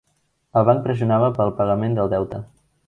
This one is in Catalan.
El banc pressionava pel pagament del deute.